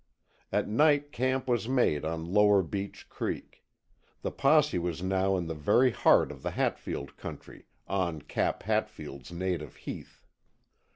At night camp was made on lower Beech Creek. The posse was now in the very heart of the Hatfield country, on Cap Hatfield's native heath.